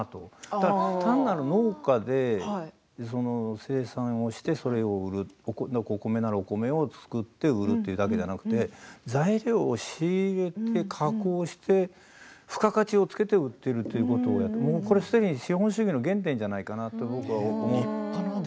だから単なる農家で生産をしてそれを売る、お米ならお米を作って売るというだけでなくて材料を仕入れて加工して付加価値を付けて売っているということをやっていてこれはすでに資本主義の原点じゃないかなと僕は思って。